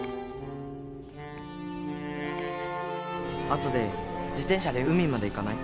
後で自転車で海まで行かない？